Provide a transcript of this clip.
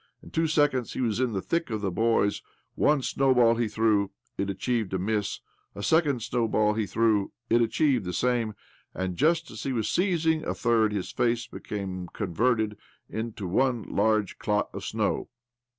In two seconds he was in the thick of the boys. One snowball he threw — it achieved a miss ; a second snowball he threw — it achieved the same ; and just as he was seizing a third his face became converted into one large clot of snow.